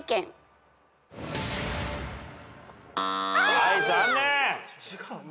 はい残念！